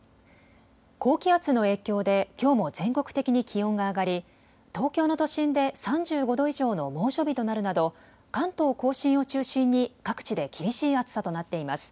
高気圧の影響できょうも全国的に気温が上がり東京の都心で３５度以上の猛暑日となるなど関東甲信を中心に各地で厳しい暑さとなっています。